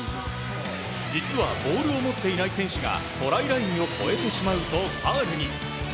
実はボールを持っていない選手がトライラインを越えてしまうとファウルに。